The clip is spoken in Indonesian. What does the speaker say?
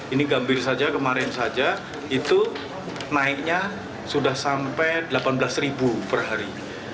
ini gambir saja kemarin saja itu naiknya sudah sampai delapan belas perhari